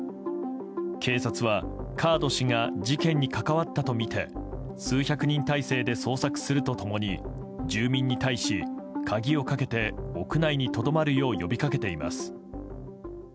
警察はカード氏が事件に関わったとみて数百人態勢で捜索すると共に住民に対し鍵をかけて屋内にとどまるよう呼びかけています。